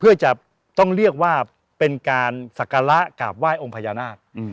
เพื่อจะต้องเรียกว่าเป็นการสักการะกราบไหว้องค์พญานาค